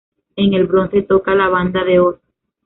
En el Bronze toca la banda de Oz.